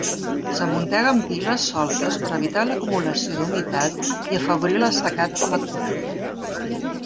S'amunteguen piles soltes per evitar l'acumulació d'humitat i afavorir l'assecat o la cura.